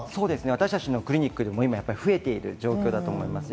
私たちのクリニックでは増えている状況だと思います。